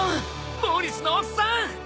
モーリスのおっさん！